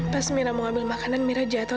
pas mira mau ngambil makanan mira jatuh